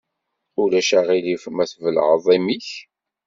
Ulac aɣilif ma tbellɛeḍ imi-k?